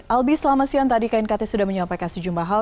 albi selamat siang tadi knkt sudah menyampaikan sejumlah hal